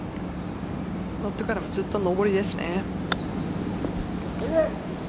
乗ってからもずっと上りですね。